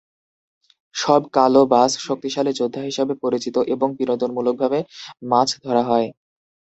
সব কালো বাস শক্তিশালী যোদ্ধা হিসাবে পরিচিত এবং বিনোদনমূলকভাবে মাছ ধরা হয়।